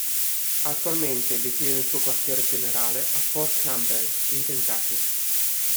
Attualmente detiene il suo quartier generale a Fort Campbell, in Kentucky.